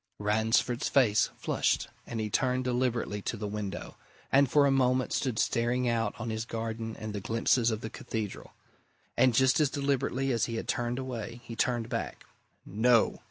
Ransford's face flushed and he turned deliberately to the window, and for a moment stood staring out on his garden and the glimpses of the Cathedral. And just as deliberately as he had turned away, he turned back. "No!"